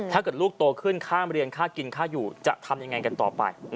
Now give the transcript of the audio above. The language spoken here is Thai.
ถ้าเกิดลูกโตขึ้นค่ามาเรียนค่ากินค่าอยู่จะทำยังไงกันต่อไป